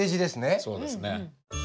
そうですね。